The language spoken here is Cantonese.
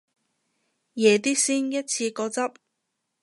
夜啲先一次過執